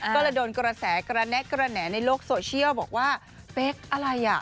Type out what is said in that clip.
ก็เลยโดนกระแสกระแนะกระแหน่ในโลกโซเชียลบอกว่าเป๊กอะไรอ่ะ